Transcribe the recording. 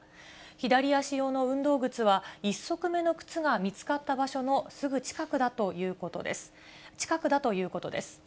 左足用の運動靴は、１足目の靴が見つかった場所のすぐ近くだということです。